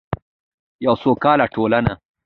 یوه سوکاله ټولنه.